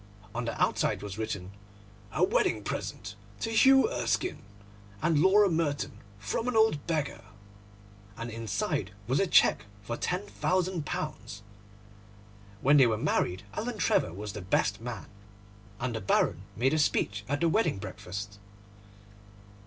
On the outside was written, 'A wedding present to Hugh Erskine and Laura Merton, from an old beggar,' and inside was a cheque for £10,000. When they were married Alan Trevor was the best man, and the Baron made a speech at the wedding breakfast.